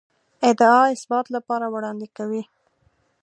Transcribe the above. ادعا اثبات لپاره وړاندې کوي.